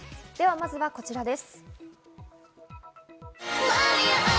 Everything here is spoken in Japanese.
まずはこちらです。